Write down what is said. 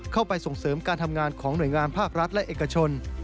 ส่งเสริมการทำงานของหน่วยงานภาครัฐและเอกชน